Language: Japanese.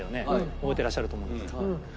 覚えてらっしゃると思うんですが。